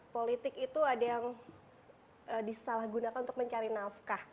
politik itu ada yang disalah gunakan untuk mencari nafkah